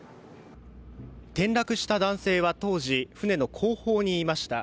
転落した男性は当時船の後方にいました。